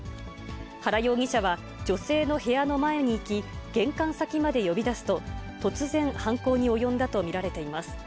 原容疑者は、女性の部屋の前に行き、玄関先まで呼び出すと、突然、犯行に及んだと見られています。